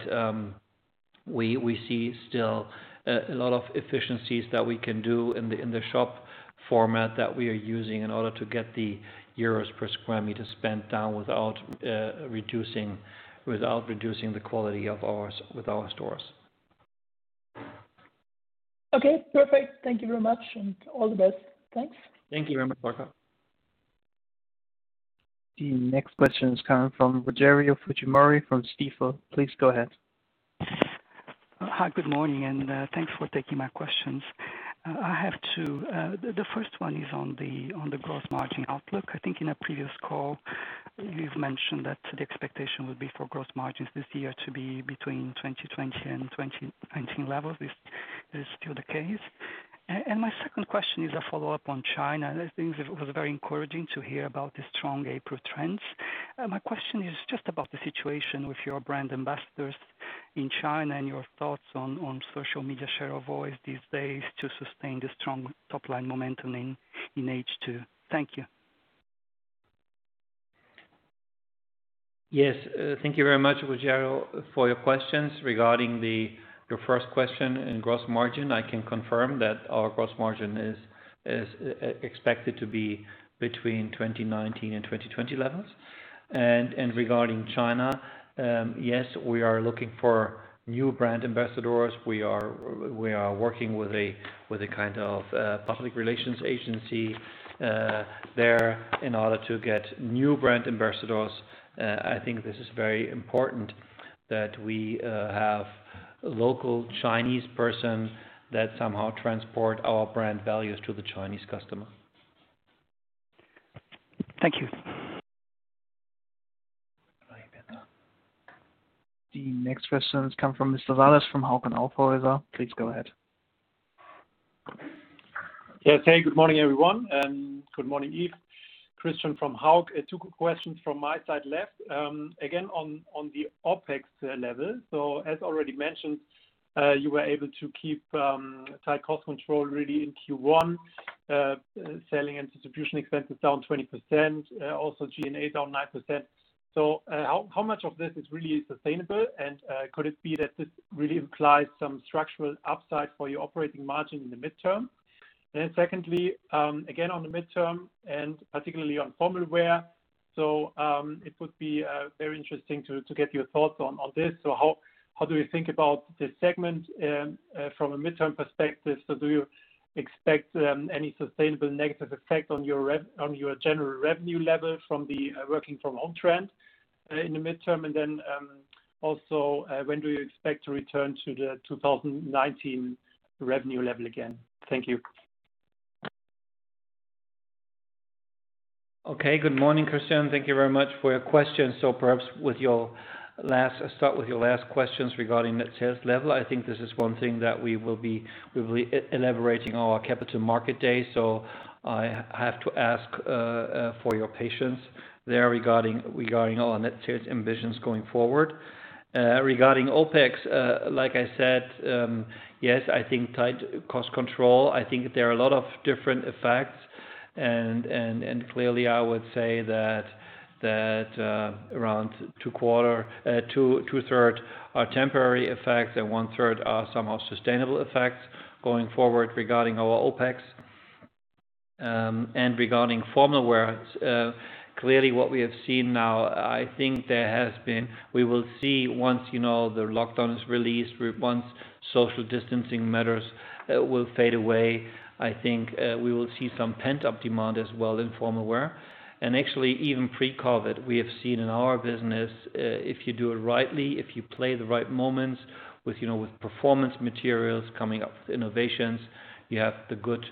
we see still a lot of efficiencies that we can do in the shop format that we are using in order to get the EUR per sq m spent down without reducing the quality with our stores. Okay, perfect. Thank you very much and all the best. Thanks. Thank you very much, Volker. The next question is coming from Rogerio Fujimori from Stifel. Please go ahead. Hi, good morning. Thanks for taking my questions. I have two. The first one is on the gross margin outlook. I think in a previous call, you've mentioned that the expectation would be for gross margins this year to be between 2020 and 2019 levels. Is this still the case? My second question is a follow-up on China. I think it was very encouraging to hear about the strong April trends. My question is just about the situation with your brand ambassadors in China and your thoughts on social media share of voice these days to sustain the strong top-line momentum in H2. Thank you. Thank you very much, Rogerio, for your questions. Regarding your first question in gross margin, I can confirm that our gross margin is expected to be between 2019 and 2020 levels. Regarding China, yes, we are looking for new brand ambassadors. We are working with a kind of public relations agency there in order to get new brand ambassadors. I think this is very important that we have local Chinese person that somehow transport our brand values to the Chinese customer. Thank you. The next question comes from Mr. Vales from Hauck & Aufhäuser. Please go ahead. Yes. Hey, good morning, everyone, and good morning, Yves. Christian from Hauck & Aufhäuser. Two questions from my side left. Again, on the OpEx level. As already mentioned, you were able to keep tight cost control really in Q1, selling and distribution expenses down 20%, also G&A down nine percent. How much of this is really sustainable? Could it be that this really implies some structural upside for your operating margin in the midterm? Secondly, again, on the midterm and particularly on formal wear. It would be very interesting to get your thoughts on this. How do we think about this segment from a midterm perspective? Do you expect any sustainable negative effect on your general revenue level from the working from home trend in the midterm? When do you expect to return to the 2019 revenue level again? Thank you. Okay. Good morning, Christian. Thank you very much for your question. Perhaps I start with your last questions regarding net sales level. I think this is one thing that we will be elaborating on our Capital Markets Day. I have to ask for your patience there regarding our net sales ambitions going forward. Regarding OpEx, like I said, yes, I think tight cost control. I think there are a lot of different effects, and clearly I would say that around two third are temporary effects and one third are somehow sustainable effects going forward regarding our OpEx. Regarding formal wear, clearly what we have seen now, I think we will see once the lockdown is released, once social distancing measures will fade away, I think we will see some pent-up demand as well in formal wear. Actually, even pre-COVID, we have seen in our business, if you do it rightly, if you play the right moments with performance materials, coming up with innovations, you have the good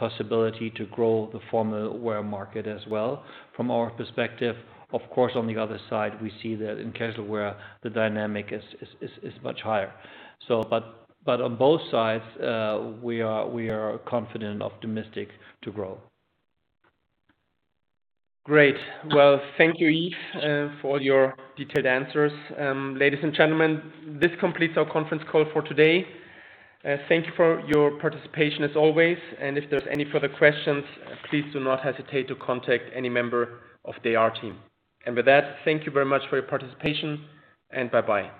possibility to grow the formal wear market as well. From our perspective, of course, on the other side, we see that in casual wear, the dynamic is much higher. On both sides, we are confident and optimistic to grow. Great. Well, thank you, Yves, for your detailed answers. Ladies and gentlemen, this completes our conference call for today. Thank you for your participation as always. If there's any further questions, please do not hesitate to contact any member of the IR team. With that, thank you very much for your participation, and bye-bye.